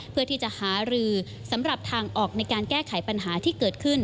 เพื่อที่จะหารือสำหรับทางออกในการแก้ไขปัญหาที่เกิดขึ้น